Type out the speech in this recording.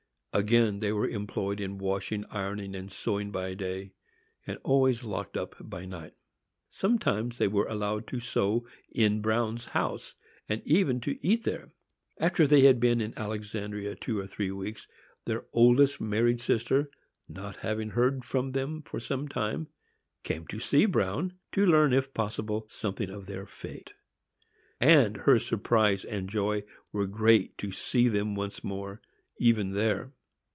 Again they were employed in washing, ironing and sewing by day, and always locked up by night. Sometimes they were allowed to sew in Bruin's house, and even to eat there. After they had been in Alexandria two or three weeks, their eldest married sister, not having heard from them for some time, came to see Bruin, to learn, if possible, something of their fate; and her surprise and joy were great to see them once more, even there.